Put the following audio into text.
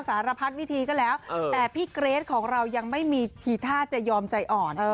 สารพัดวิธีก็แล้วแต่พี่เกรทของเรายังไม่มีทีท่าจะยอมใจอ่อน